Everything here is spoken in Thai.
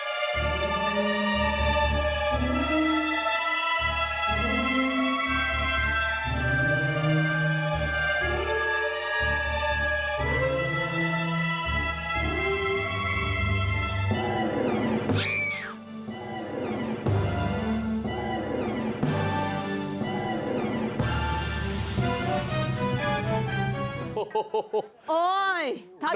ฝากเตือนคุณผู้ชม